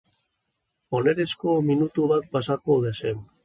Honezkero, minutu bat pasako zen.